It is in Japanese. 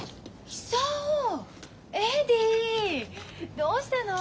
どうしたの？